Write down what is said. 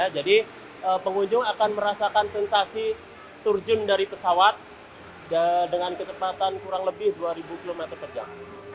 jadi pengunjung akan merasakan sensasi terjun dari pesawat dengan kecepatan kurang lebih dua ribu km per jam